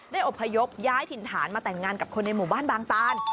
อบพยพย้ายถิ่นฐานมาแต่งงานกับคนในหมู่บ้านบางตาน